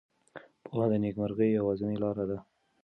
پوهه د نېکمرغۍ یوازینۍ لاره ده.